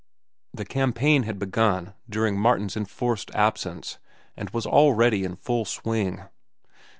The campaign had begun during Martin's enforced absence, and was already in full swing.